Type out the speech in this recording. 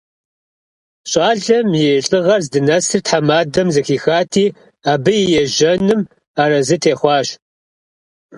Ş'alem yi lh'ığer zdınesır themadem zexixati, abı yi yêjenım arezı têxhuaş.